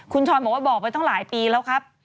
คุณช้อนบอกว่าบอกไปตั้งหลายปีแล้วครับ